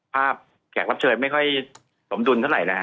แขกรับเชิญไม่ค่อยสมดุลเท่าไหร่นะฮะ